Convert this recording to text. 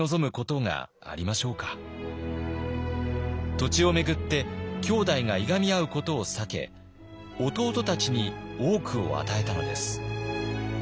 土地を巡って兄弟がいがみ合うことを避け弟たちに多くを与えたのです。